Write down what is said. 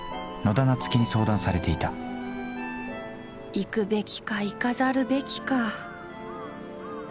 行くべきか行かざるべきか。